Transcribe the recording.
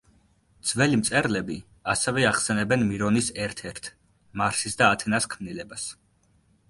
ძველი მწერლები ასევე ახსენებენ მირონის ერთ-ერთ „მარსის და ათენას“ ქმნილებას.